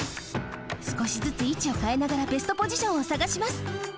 すこしずついちをかえながらベストポジションをさがします。